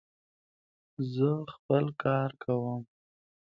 زه خپل کار کوم.